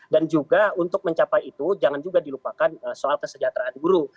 dan juga untuk mencapai itu jangan juga dilupakan soal kesejahteraan guru